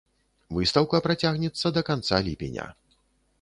Выстаўка працягнецца да канца ліпеня.